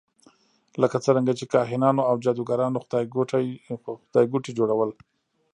لکه څرنګه چې کاهنانو او جادوګرانو خدایګوټي جوړول.